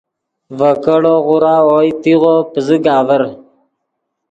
ڤے کیڑو غورا اوئے تیغو پزیگ آڤر